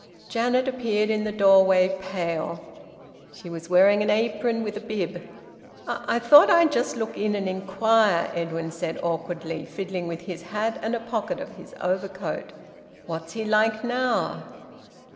Janet appeared in the doorway, pale. She was wearing an apron with a bib. "I I thought I'd just look in and inquire," Edwin said awkwardly, fiddling with his hat and a pocket of his overcoat. "What's he like now?"